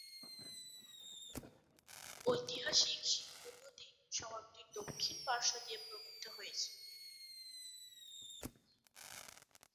ঐতিহাসিক সিন্ধু নদ শহরটির দক্ষিণ পার্শ্ব দিয়ে প্রবাহিত হয়েছে।